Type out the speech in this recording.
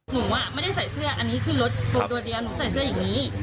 หนูอ่ะไม่ได้ใส่เสื้ออันนี้คือรถโปรดโดรเจียหนูใส่เสื้ออย่างนี้